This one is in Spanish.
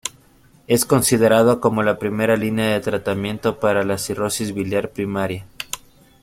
Es considerado como la primera línea de tratamiento para la Cirrosis biliar primaria.